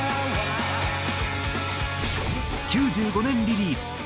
９５年リリース。